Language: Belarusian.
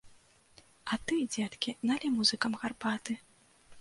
А ты, дзеткі, налі музыкам гарбаты!